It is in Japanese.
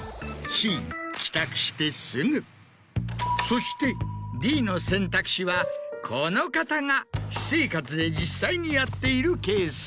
そしてＤの選択肢はこの方が私生活で実際にやっているケース。